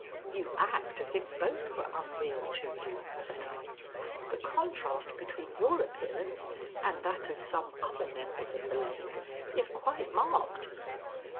"You act as if both were unreal to you," said I. "The contrast between your appearance and that of some other members of the lane is quite marked."